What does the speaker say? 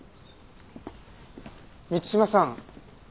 満島さん。